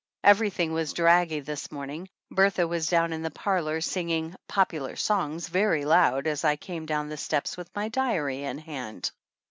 Everything was draggy this morning. Bertha was down in the parlor singing "popular songs" very loud as I came down the steps with my diary in my hand.